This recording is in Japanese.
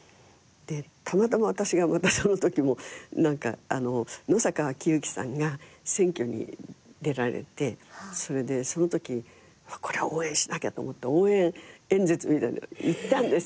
たまたま私がそのとき野坂昭如さんが選挙に出られてそのときこれは応援しなきゃと思って応援演説みたいなのに行ったんですよ。